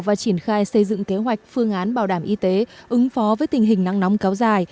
và triển khai xây dựng kế hoạch phương án bảo đảm y tế ứng phó với tình hình nắng nóng kéo dài